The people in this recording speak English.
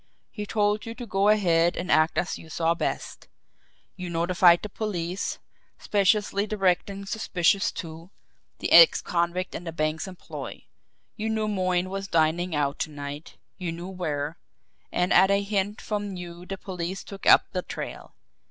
He told you to go ahead and act as you saw best. You notified the police, speciously directing suspicion to the ex convict in the bank's employ. You knew Moyne was dining out to night, you knew where and at a hint from you the police took up the trail.